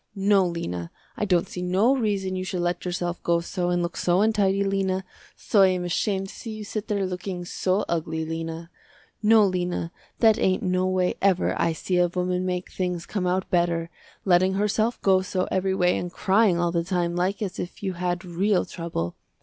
No, Lena, I don't see no reason you should let yourself go so and look so untidy Lena, so I am ashamed to see you sit there looking so ugly, Lena. No Lena that ain't no way ever I see a woman make things come out better, letting herself go so every way and crying all the time like as if you had real trouble.